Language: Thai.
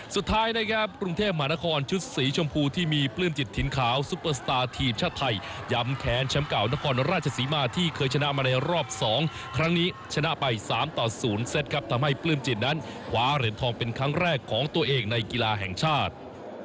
สุดท้ายนะครับกรุงเทพมหานครชุดสีชมพูที่มีปลื้มจิตถิ่นขาวซุปเปอร์สตาร์ทีมชาติไทยย้ำแค้นแชมป์เก่านครราชศรีมาที่เคยชนะมาในรอบ๒ครั้งนี้ชนะไป๓ต่อ๐เซตครับทำให้ปลื้มจิตนั้นคว้าเหรียญทองเป็นครั้งแรกของตัวเองในกีฬาแห่งชาติ